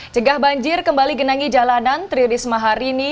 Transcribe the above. cegah banjir kembali genangi jalanan tririsma hari ini